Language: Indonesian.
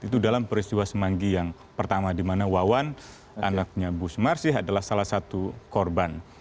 itu dalam peristiwa semanggi yang pertama di mana wawan anaknya bu sumarsih adalah salah satu korban